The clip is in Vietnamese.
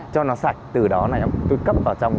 cho nó sạch từ đó này tôi cấp vào trong